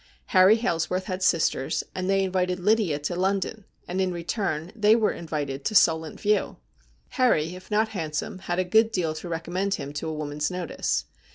Harry Hailsworth had sisters, and they invited Lydia to London, and in return they were invited to Solent View. Harry, if not handsome, had a good deal to recommend him to a woman's notice.